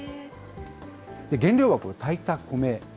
原料は炊いたコメ。